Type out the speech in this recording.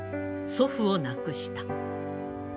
祖父を亡くした。